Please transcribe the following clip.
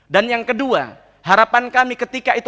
dan yang kedua harapan kami ketika itu